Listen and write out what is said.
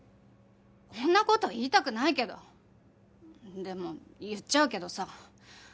こんな事言いたくないけどでも言っちゃうけどさ。